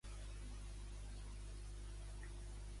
En què consisteix el Premi Idees Innovadores Isabel pàgina Trabal?